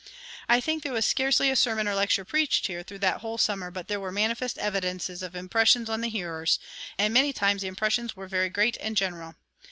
I think there was scarcely a sermon or lecture preached here through that whole summer but there were manifest evidences of impressions on the hearers, and many times the impressions were very great and general.